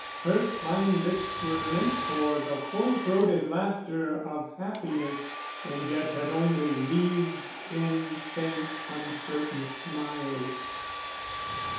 Her fine lips were meant for the full throated laughter of happiness, and yet had only wreathed in faint uncertain smiles.